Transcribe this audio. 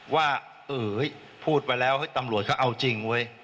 ว่าพูดไปแล้วตำรวจเขาเอาจริงเว้ย